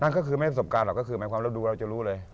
นั่นก็คือไม่ใช่ประสบการณ์หรอกก็คือความรับดูเราจะรู้เลย